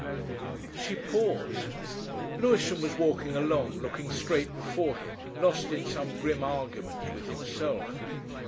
She paused. Lewisham was walking along, looking straight before him, lost in some grim argument with himself.